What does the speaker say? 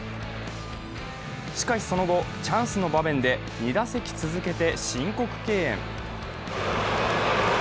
しかしその後、チャンスの場面で２打席続いて申告敬遠。